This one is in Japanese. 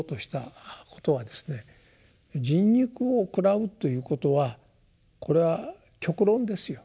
人肉を食らうということはこれは極論ですよ。